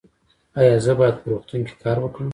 ایا زه باید په روغتون کې کار وکړم؟